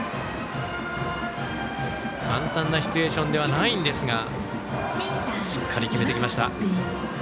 簡単なシチュエーションではないんですがしっかり決めてきました。